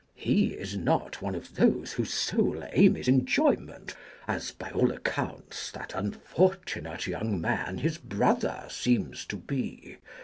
He is not one of those whose sole aim is enjoyment, as, by all accounts, that unfortunate young man his brother seems to be.